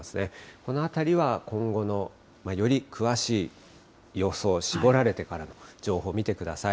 このあたりは今後のより詳しい予想、絞られてからの情報を見てください。